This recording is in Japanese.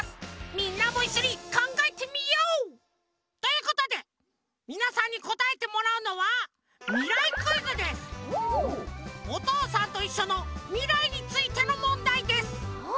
みんなもいっしょにかんがえてみよう！ということでみなさんにこたえてもらうのは「おとうさんといっしょ」のみらいについてのもんだいです。